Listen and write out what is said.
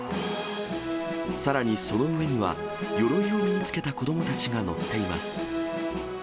さらにその上には、よろいを身に着けた子どもたちが乗っています。